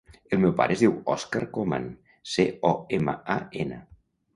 El meu pare es diu Òscar Coman: ce, o, ema, a, ena.